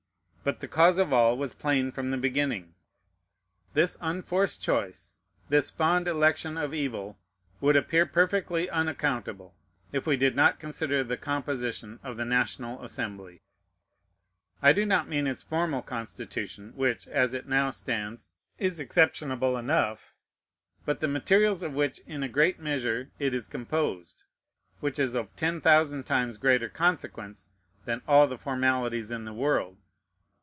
But the cause of all was plain from the beginning. This unforced choice, this fond election of evil, would appear perfectly unaccountable, if we did not consider the composition of the National Assembly: I do not mean its formal constitution, which, as it now stands, is exceptionable enough, but the materials of which in a great measure it is composed, which is of ten thousand times greater consequence than all the formalities in the world.